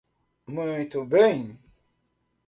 Muito bem!